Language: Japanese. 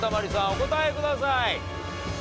お答えください。